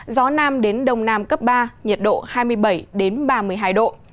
gió nam đến đông nam cấp ba nhiệt độ hai mươi bảy ba mươi hai độ